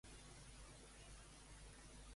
Per quin motiu va declinar l'acta de diputada?